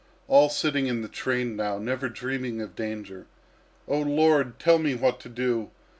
All sitting in the train now, never dreaming of danger. "Oh, Lord! Tell me what to do!...